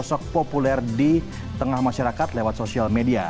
sosok populer di tengah masyarakat lewat sosial media